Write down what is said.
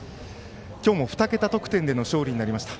今日も２桁得点での勝利になりました。